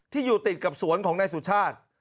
อยู่ติดกับสวนของนายสุชาติ